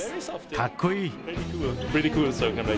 かっこいい。